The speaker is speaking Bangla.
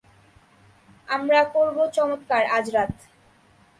আমরা করবো চমৎকার, আজ রাত।